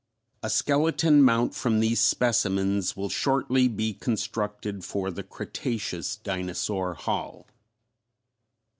A skeleton mount from these specimens will shortly be constructed for the Cretaceous Dinosaur Hall.